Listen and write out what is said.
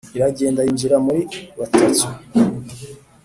iragenda yinjira muri batatu.